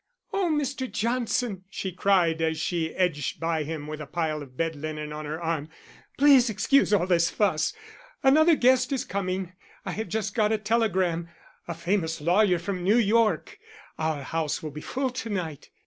"Oh, Mr. Johnston!" she cried as she edged by him with a pile of bed linen on her arm. "Please excuse all this fuss. Another guest is coming I have just got a telegram. A famous lawyer from New York. Our house will be full to night."